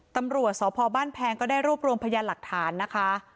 ตำรวจสพบ้านแพงก็ได้รวบรวมพยานหลักฐานนะคะ